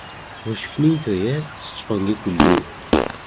• Mushukning to‘yi ― sichqonga kulgi.